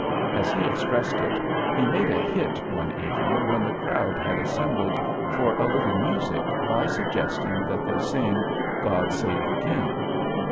As he expressed it, he "made a hit" one evening when the crowd had assembled for a little music by suggesting that they sing "God Save the King."